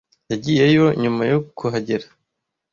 Yagiyeyo nyuma yo kuhagera.